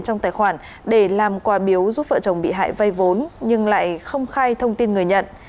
trong tài khoản để làm quà biếu giúp vợ chồng bị hại vay vốn nhưng lại không khai thông tin người nhận